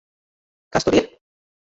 Kas tur ir?